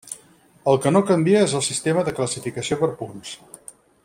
El que no canvia és el sistema de classificació per punts.